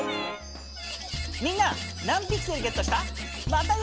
みんな何ピクセルゲットした？